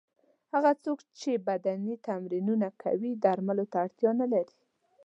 هغه څوک چې بدني تمرینونه کوي درملو ته اړتیا نه لري.